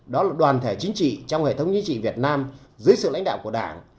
đó là đoàn thể chính trị trong hệ thống chính trị việt nam dưới sự lãnh đạo của đảng